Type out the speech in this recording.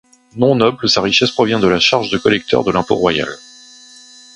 Non noble, sa richesse provient de la charge de collecteur de l'impôt royal.